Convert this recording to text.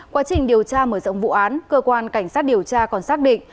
quá trình điều tra mở rộng vụ án cơ quan cảnh sát điều tra còn xác định